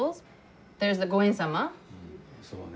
そうね。